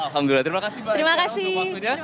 terima kasih mbak estiara untuk mengakomodir